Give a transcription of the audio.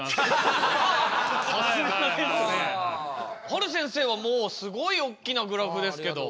はる先生はもうすごいおっきなグラフですけど。